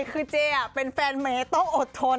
คือเจเป็นแฟนเมย์ต้องอดทน